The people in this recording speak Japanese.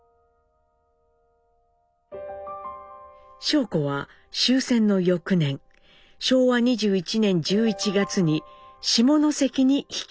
尚子は終戦の翌年昭和２１年１１月に下関に引き揚げました。